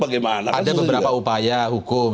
ada beberapa upaya hukum